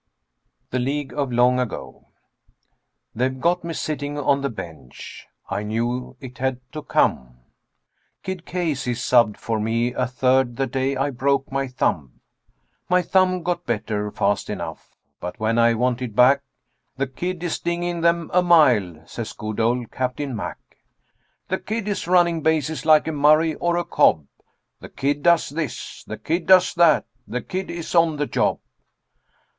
THE LEAGUE OF LONG AGO They've got me sitting on the bench I knew it had to come Kid Casey subbed for me at third the day I broke my thumb; My thumb got better fast enough, but when I wanted back, "The Kid is stinging them a mile," says good old Captain Mack. "The Kid is running bases like a Murray or a Cobb, The Kid does this, the Kid does that, the Kid is on the job."